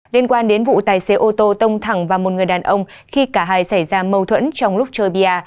liên quan đến vụ tài xế ô tô tông thẳng vào một người đàn ông khi cả hai xảy ra mâu thuẫn trong lúc chơi bia